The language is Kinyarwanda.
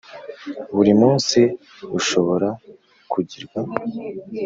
buri munsi rushobora kugirwa.